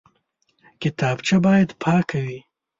کتابچه باید پاکه وي